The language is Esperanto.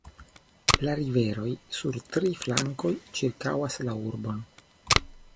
La riveroj sur tri flankoj ĉirkaŭas la urbon.